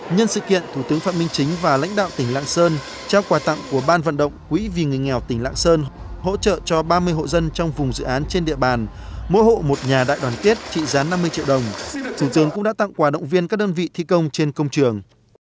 nhân sự kiện thủ tướng phạm minh chính và lãnh đạo tỉnh lạng sơn trao quà tặng của ban vận động quỹ vì người nghèo tỉnh lạng sơn hỗ trợ cho ba mươi hộ dân trong vùng dự án trên địa bàn mỗi hộ một nhà đại đoàn tiết trị gián năm mươi triệu đồng thủ tướng cũng đã tặng quà động viên các đơn vị thi công trên công trường